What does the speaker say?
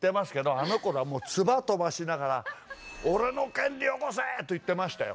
あのころはもう唾飛ばしながら「俺の権利よこせ！」と言ってましたよ。